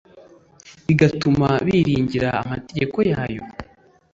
bigatuma biringira amategeko yayo,